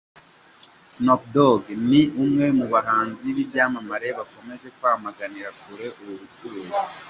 Snoop Dogg ni umwe mu bahanzi b'ibyamamare bakomeje kwamaganira kure ubu bucuruzi.